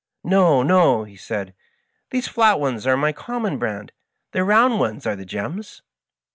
"No, nol" he said; "these flat ones are my com mon brand. The round ones are the gems."